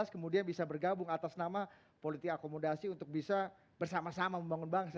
kemudian bisa bergabung atas nama politik akomodasi untuk bisa bersama sama membangun bangsa